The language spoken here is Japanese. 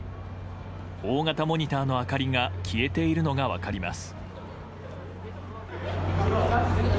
大型モニターの明かりが消えているのが分かります。